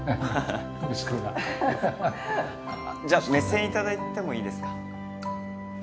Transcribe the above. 息子がじゃあ目線いただいてもいいですか？